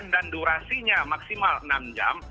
dan durasinya maksimal enam jam